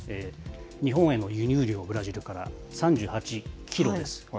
日本への輸入量、ブラジルから、３８キロです。